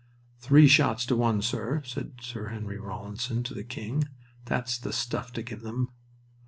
"Three shots to one, sir," said Sir Henry Rawlinson to the King, "that's the stuff to give them!"